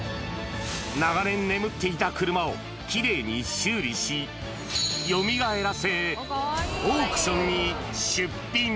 長年眠っていた車をきれいに修理し、よみがえらせ、オークションに出品。